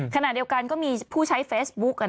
ขณะเดียวกันก็มีผู้ใช้เฟซบุ๊ก